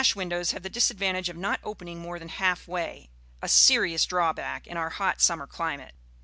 ] Sash windows have the disadvantage of not opening more than half way, a serious drawback in our hot summer climate.